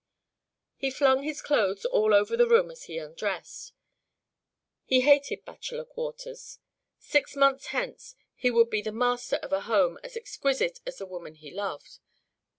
He flung his clothes all over the room as he undressed. He hated bachelor quarters. Six months hence he would be the master of a home as exquisite as the woman he loved.